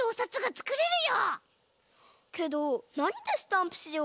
けどなにでスタンプしよう？